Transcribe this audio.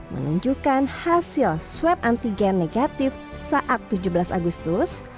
menunjukkan hasil swab antigen negatif saat tujuh belas agustus